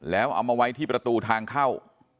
แล้วเอามาไว้ที่ประตูทางเข้า